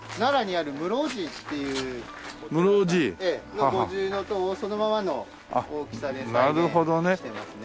の五重塔をそのままの大きさで再現してますね。